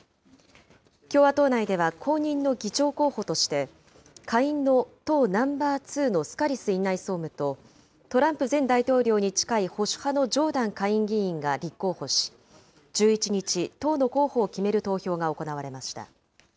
共和党内では後任の議長候補として、下院の党ナンバーツーのスカリス院内総務と、トランプ前大統領に近い保守派のジョーダン下院議員が立候補し、１１日、党の候補を決める投票が行われました。